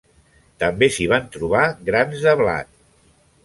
També s'hi van trobar grans de blat.